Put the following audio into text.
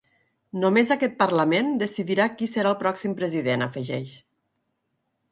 Només aquest parlament decidirà qui serà el pròxim president, afegeix.